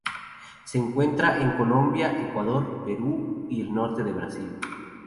Se encuentra en Colombia, Ecuador, Perú y el norte de Brasil.